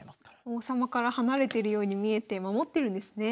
王様から離れてるように見えて守ってるんですね。